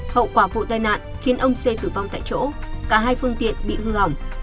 hậu quả vụ tai nạn khiến ông c tử vong tại chỗ cả hai phương tiện bị hư hỏng